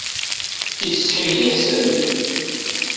Ittsetḥi mliḥ Sami.